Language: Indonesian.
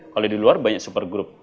kalau di luar banyak super group